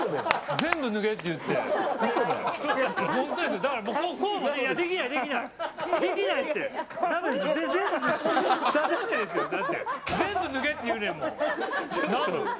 全部脱げって言うねんもん。